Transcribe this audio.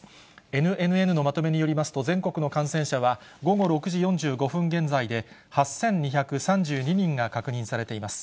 ＮＮＮのまとめによりますと、全国の感染者は、午後６時４５分現在で８２３２人が確認されています。